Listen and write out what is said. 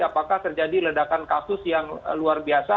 apakah terjadi ledakan kasus yang luar biasa